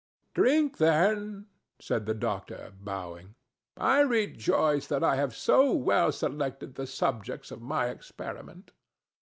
"Drink, then," said the doctor, bowing; "I rejoice that I have so well selected the subjects of my experiment."